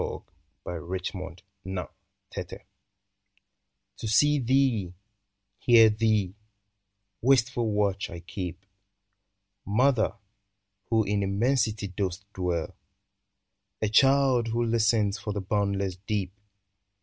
19 AS FROM AFAR ' I ^o see thee, hear thee, wistful watch I keep Mother, who in immensity dost dwell — A child who listens for the boundless deep.